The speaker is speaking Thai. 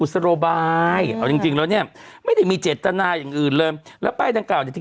พูดถึงกันเยอะพอสมควรวันนี้